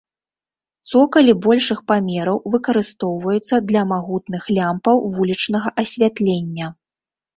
Цокалі большых памераў выкарыстоўваюцца для магутных лямпаў вулічнага асвятлення.